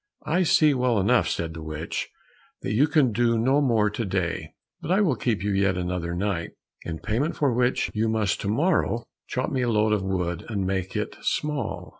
"I see well enough," said the witch, "that you can do no more to day, but I will keep you yet another night, in payment for which you must to morrow chop me a load of wood, and make it small."